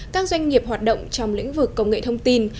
các doanh nghiệp hoạt động trong lĩnh vực công nghệ thông tin